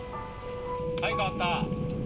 はい替わった。